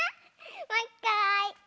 もういっかい！